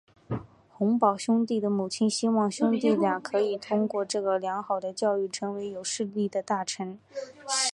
洪堡兄弟的母亲希望兄弟俩可以通过这个良好的教育成为有势力的大臣。